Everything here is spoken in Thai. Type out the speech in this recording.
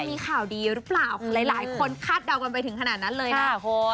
มีข่าวดีหรือเปล่าหลายคนคาดเดากันไปถึงขนาดนั้นเลยนะคุณ